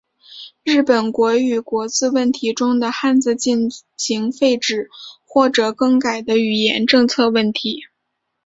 日本国语国字问题中的汉字进行废止或者更改的语言政策问题。